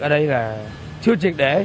ở đây là chưa triệt để